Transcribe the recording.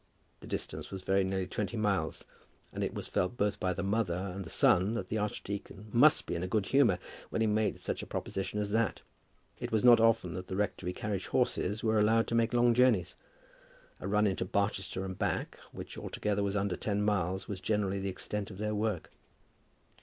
The distance was very nearly twenty miles, and it was felt both by the mother and the son, that the archdeacon must be in a good humour when he made such a proposition as that. It was not often that the rectory carriage horses were allowed to make long journeys. A run into Barchester and back, which altogether was under ten miles, was generally the extent of their work.